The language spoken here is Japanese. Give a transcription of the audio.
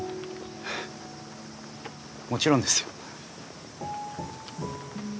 もちろんですよ。